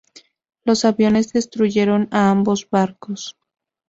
Los aviones destruyeron a ambos barcos.